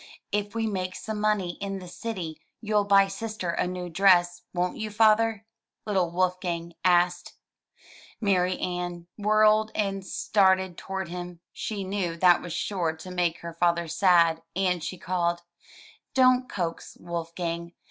If we make some money in the city you'll buy sister a new dress, won't you. Father?'* little Wolfgang asked. Marianne whirled and started toward him. She knew that was sure to make her father sad, and she called, "Don't coax, Wolfgang.